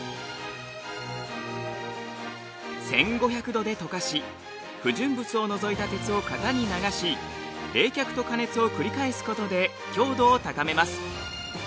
１，５００度で溶かし不純物を除いた鉄を型に流し冷却と過熱を繰り返すことで強度を高めます。